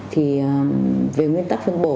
thì về nguyên tắc phân bổ